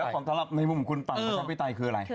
แล้วของสำหรับในมุมคุณฝั่งประชาธิปไตยคืออะไร